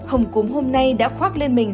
hồng cúm hôm nay đã khoác lên mình